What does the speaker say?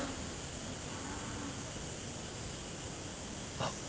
あっ。